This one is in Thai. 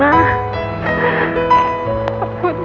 นายก็รักเจ๊นุดนี้